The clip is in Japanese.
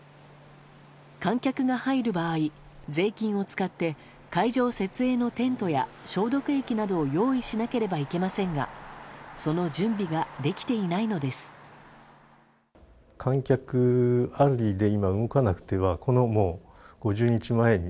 観客が入る場合、税金を使って会場設営のテントや消毒液などを用意しなければいけませんがその準備ができていないのです。